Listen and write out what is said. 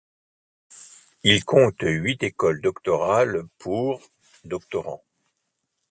Il compte huit écoles doctorales pour doctorants.